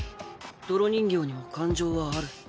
泥人形にも感情はある。